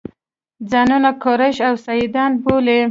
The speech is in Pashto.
ځانونه قریش او سیدان بولي.